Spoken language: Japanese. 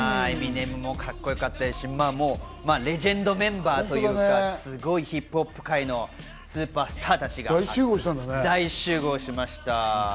エミネムもカッコよかったですし、レジェンドメンバーというかすごいヒップホップ界のスーパースターたちが大集合しました。